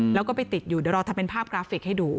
แล้วก็ไปติดอยู่เดี๋ยวเราทำเป็นภาพกราฟิกให้ดู